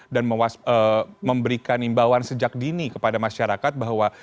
dan memberikan imbauan sejak dini kepada masyarakat bahwa